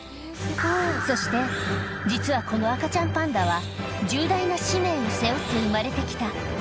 そして実はこの赤ちゃんパンダは、重大な使命を背負って産まれてきた。